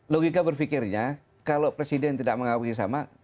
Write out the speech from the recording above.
logika berpikirnya kalau presiden tidak mengakui sama